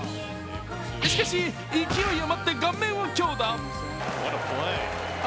しかし、勢い余って顔面を強打。